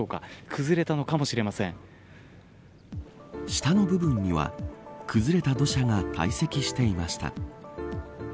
下の部分には崩れた土砂が堆積していました。